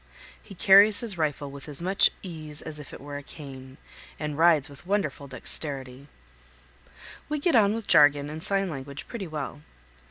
He carries his rifle with as much ease as if it were a cane, and rides with wonderful 352 CANYONS OF THE COLORADO. dexterity. We get on with jargon and sign language pretty well.